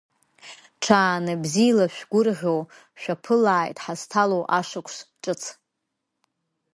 Ҽаанбзиала шәгәырӷьо шәаԥылааит ҳазҭалоу Ашықәс Ҿыц!